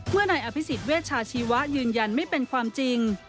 เมื่อในอภิษฐ์เวชาชีวะยืนยันไม่เป็นความจริง